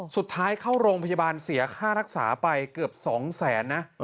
สุดท้ายเข้าโรงพยาบาลเสียค่ารักษาไปเกือบ๒แสนนะ